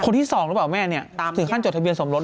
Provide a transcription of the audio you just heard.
คนที่สองรู้หรือเปล่าแม่ถือขั้นเจรัมโดยสมรส